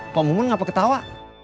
pak bumun ngapa ketawa